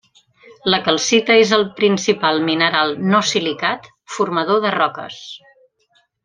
La calcita és el principal mineral no silicat formador de roques.